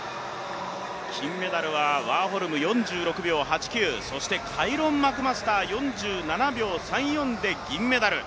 金メダルはワーホルム４６秒８９カイロン・マクマスター、４７秒３４で銀メダル。